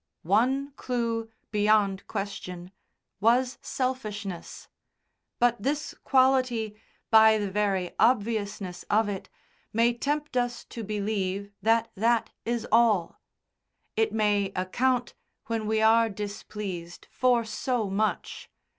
One clue, beyond question, was selfishness; but this quality, by the very obviousness of it, may tempt us to believe that that is all. It may account, when we are displeased, for so much.